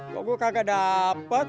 kok gue kagak dapat